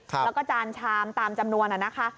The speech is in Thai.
แล้วก็จานชามตามจำนวนนะคะ